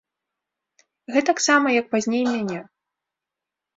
Гэтаксама, як пазней мяне.